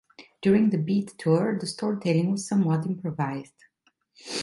During the "Beat" tour, the story-telling was somewhat improvised.